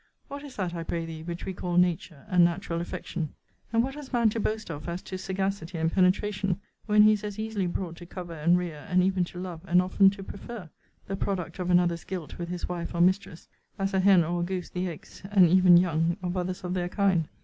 What is that, I pray thee, which we call nature, and natural affection? And what has man to boast of as to sagacity and penetration, when he is as easily brought to cover and rear, and even to love, and often to prefer, the product of another's guilt with his wife or mistress, as a hen or a goose the eggs, and even young, of others of their kind?